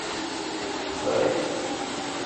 Textaṛ-it?